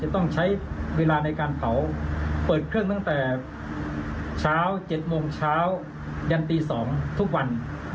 ต้องใช้เวลาในการเผาเปิดเครื่องตั้งแต่เช้า๗โมงเช้ายันตี๒ทุกวัน